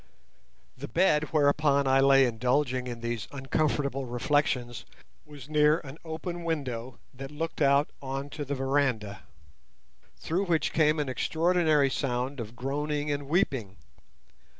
The bed whereon I lay indulging in these uncomfortable reflections was near an open window that looked on to the veranda, through which came an extraordinary sound of groaning and weeping.